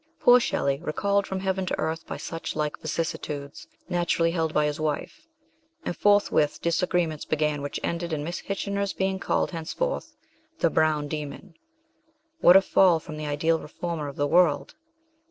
Poor Shelley, recalled from heaven to earth by such like vicissitudes, naturally held by his wife ; and forthwith disagreements began which ended in Miss Kitchener's being called henceforth the " Brown Demon." What a fall from the ideal reformer of the world